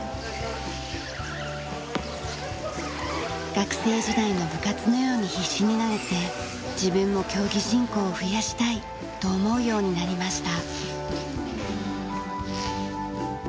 学生時代の部活のように必死になれて自分も競技人口を増やしたいと思うようになりました。